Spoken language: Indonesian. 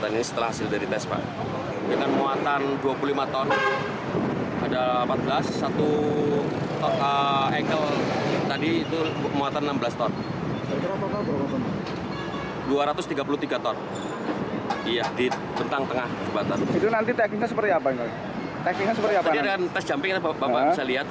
tadi ada tes jumping bapak bisa lihat